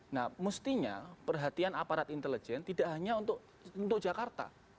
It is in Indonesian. nah mestinya perhatian aparat intelijen tidak hanya untuk jakarta